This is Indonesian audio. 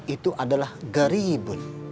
itu adalah garibun